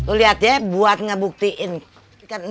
ia tuli hati ya buat ngebuktiin ke aturan yang